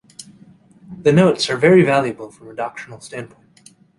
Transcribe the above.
The notes are very valuable from a doctrinal standpoint.